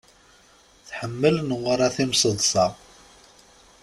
Tḥemmel Newwara timseḍṣa.